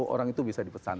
orang itu bisa dipesan